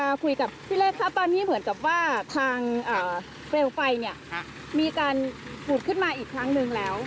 คุยกับพี่เลขครับตอนนี้เหมือนกับว่าทางเปลวไฟเนี่ยมีการผุดขึ้นมาอีกครั้งนึงแล้ว